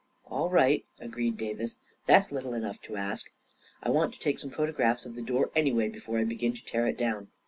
"All right," agreed Davis; "that's little enough to ask! I want to take some photographs of the door, anyway, before I begin to tear it down."